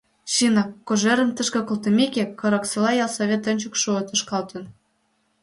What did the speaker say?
Чынак, Кожерым тышке колтымеке, Кораксола ялсовет ончык шуко тошкалын.